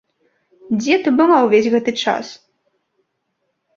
Дзе ты была ўвесь гэты час?